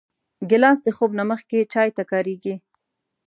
ګیلاس د خوب نه مخکې چای ته کارېږي.